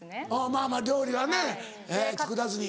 まぁまぁ料理はね作らずに。